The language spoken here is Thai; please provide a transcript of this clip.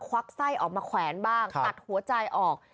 วักไส้ออกมาแขวนบ้างตัดหัวใจออก